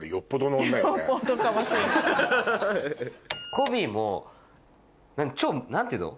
コビーも何ていうの？